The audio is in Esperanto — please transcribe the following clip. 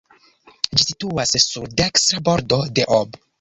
Ĝi situas sur dekstra bordo de Ob.